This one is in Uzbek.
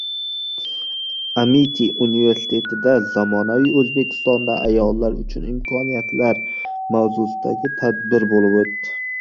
Amity universitetida “Zamonaviy O‘zbekistonda ayollar uchun imkoniyatlar” mavzusidagi tadbir bo‘lib o‘tdi